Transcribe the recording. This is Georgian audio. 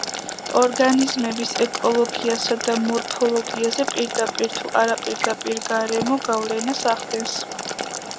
ორგანიზმების ეკოლოგიასა და მორფოლოგიაზე პირდაპირ თუ არაპირდაპირ გარემო გავლენას ახდენს.